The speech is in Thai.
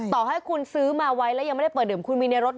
ต่อให้คุณซื้อมาไว้แล้วยังไม่ได้เปิดดื่มคุณมีในรถ